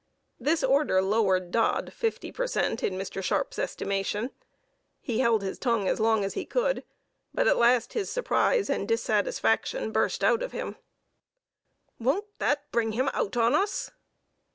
This order lowered Dodd fifty per cent in Mr. Sharpe's estimation. He held his tongue as long as he could: but at last his surprise and dissatisfaction burst out of him, "Won't that bring him out on us?"